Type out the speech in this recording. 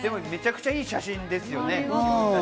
めちゃくちゃいい写真ですよね。